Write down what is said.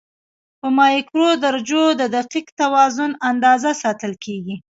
په مایکرو درجو د دقیق توازن اندازه ساتل کېږي.